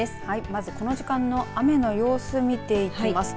まずこの時間の雨の様子見ていきます。